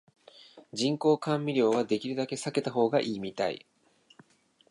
人工甘味料はできるだけ避けた方がいいみたい